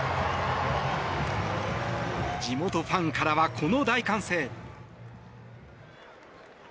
地元ファンからはこの大歓声。